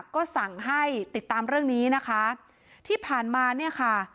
ก็สั่งให้ติดตามเรื่องนี้นะคะที่ผ่านมาเนี่ยค่ะ